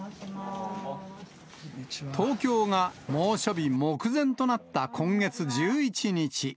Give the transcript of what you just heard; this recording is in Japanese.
東京が猛暑日目前となった今月１１日。